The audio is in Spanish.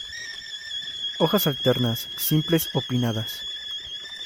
Hojas alternas, simples o pinnadas.